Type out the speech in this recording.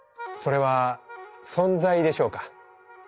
それは「存在」でしょうか？